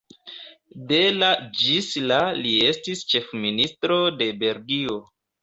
De la ĝis la li estis ĉefministro de Belgio.